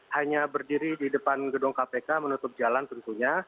hanya berdiri di depan gedung kpk menutup jalan tentunya